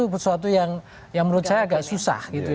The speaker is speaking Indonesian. menurut saya agak susah